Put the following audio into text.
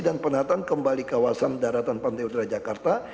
dan penataan kembali kawasan daratan pantai utara jakarta